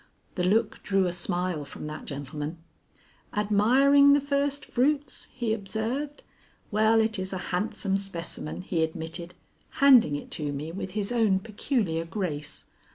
The look drew a smile from that gentleman. "Admiring the first fruits?" he observed. "Well, it is a handsome specimen," he admitted, handing it to me with his own peculiar grace.